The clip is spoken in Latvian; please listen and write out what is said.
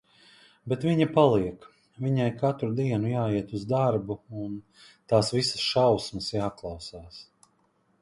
Bet viņa paliek. Viņai katru dienu jāiet uz darbu un "tās visas šausmas jāklausās".